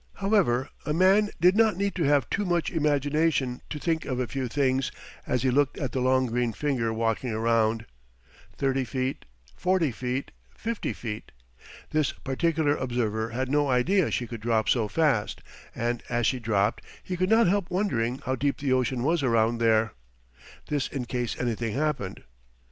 However, a man did not need to have too much imagination to think of a few things as he looked at the long green finger walking around: 30 feet, 40 feet, 50 feet This particular observer had no idea she could drop so fast; and as she dropped, he could not help wondering how deep the ocean was around there this in case anything happened.